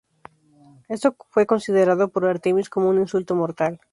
Esto fue considerado por Artemis como un insulto mortal.